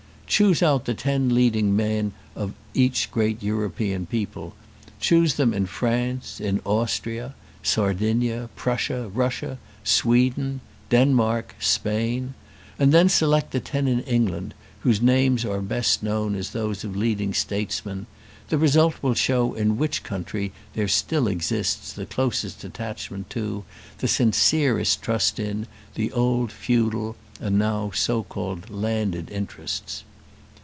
Choose out the ten leading men of each great European people. Choose them in France, in Austria, Sardinia, Prussia, Russia, Sweden, Denmark, Spain (?), and then select the ten in England whose names are best known as those of leading statesmen; the result will show in which country there still exists the closest attachment to, the sincerest trust in, the old feudal and now so called landed interests.